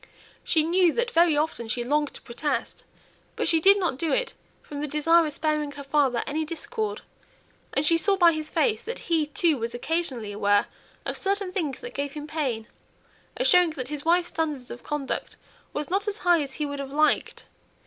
She knew that very often she longed to protest, but did not do it, from the desire of sparing her father any discord; and she saw by his face that he, too, was occasionally aware of certain things that gave him pain, as showing that his wife's standard of conduct was not as high as he would have liked.